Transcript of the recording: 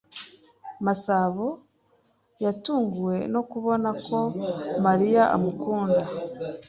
Masabo yatunguwe no kubona ko Mariya amukunda.